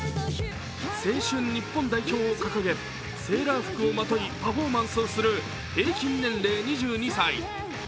青春日本代表を掲げ、セーラー服をまといパフォーマンスをする平均年齢２２歳。